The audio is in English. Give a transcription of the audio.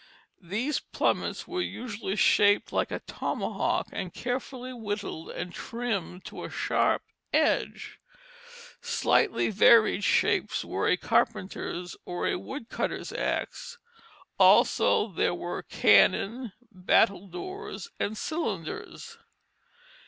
These plummets were usually shaped like a tomahawk, and carefully whittled and trimmed to a sharp edge. Slightly varied shapes were a carpenter's or a woodcutter's axe; also there were cannon, battledores, and cylinders.